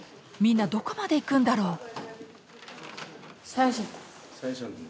みんなどこまで行くんだろう？